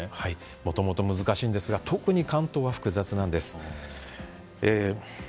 もともと難しいんですが特に関東は複雑なんです。